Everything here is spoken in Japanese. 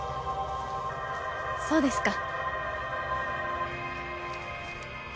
そうですか。